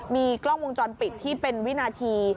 มีกล้องวงจรปิดที่เป็นวินาที